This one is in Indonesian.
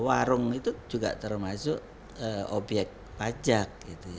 warung itu juga termasuk obyek pajak